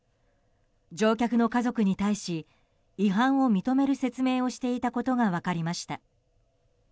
乗客の家族に対し違反を認める説明をしていたことが分かりました。